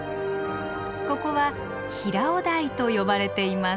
ここは平尾台と呼ばれています。